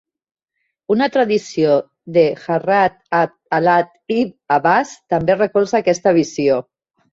Una tradició de Hadrat Abd-Al·lah ibn Abbàs també recolza aquesta visió.